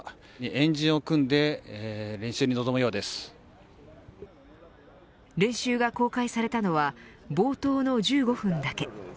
円陣を組んで練習が公開されたのは冒頭の１５分だけ。